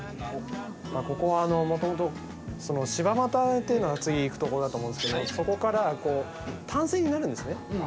ここはもともと柴又っていうのが次行くとこだと思うんですけどそこから単線になるんですね。